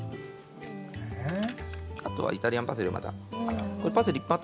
あとはイタリアンパセリをまた。